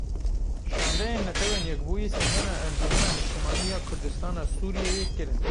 Şandeyên Netewên Yekbûyî serdana Encumena Niştimanî ya Kurdistana Sûriyeyê kirin.